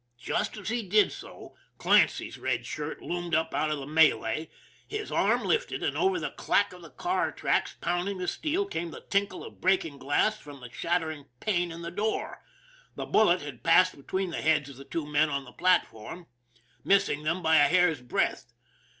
Just as he did so, Clancy's red shirt loomed up out of the melee, his arm lifted, and over the clack of the car trucks pounding the steel came the tinkle of breaking glass from the shattered pane in the door the bullet had passed between the heads of the two men on the platform, missing them by a hair's breadth.